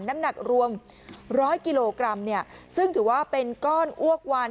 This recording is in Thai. น้ำหนักรวมร้อยกิโลกรัมเนี่ยซึ่งถือว่าเป็นก้อนอ้วกวัน